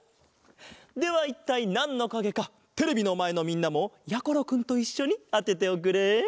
ではいったいなんのかげかテレビのまえのみんなもやころくんといっしょにあてておくれ。